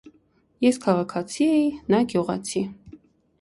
Ես քաղաքացի էի, նա՝ գյուղացի: